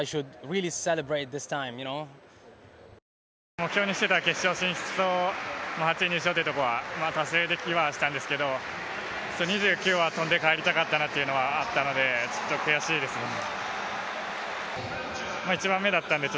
目標にしていた決勝進出、８位入賞というところは達成できはしたんですけど２９は跳んで帰りたかったなというのはあったのでちょっと悔しいですね。